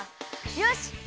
よし！